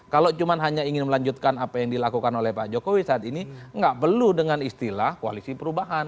kalau cuma hanya ingin melanjutkan apa yang dilakukan oleh pak jokowi saat ini nggak perlu dengan istilah koalisi perubahan